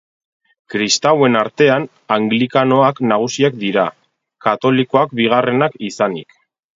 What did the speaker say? Kristauen artean, anglikanoak nagusiak dira, katolikoak bigarrenak izanik.